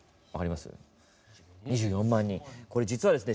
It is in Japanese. これ、実はですね